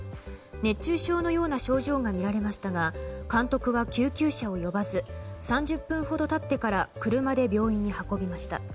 熱中症のような症状が見られましたが監督は救急車を呼ばず３０分ほど経ってから車で病院に運びました。